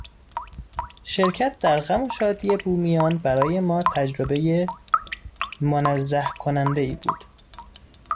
شرکت در غم و شادی بومیان برای ما تجربهی منزه کنندهای بود.